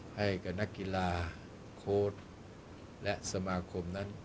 ให้กับนักกีฬาโค้ดและสมาคมนั้น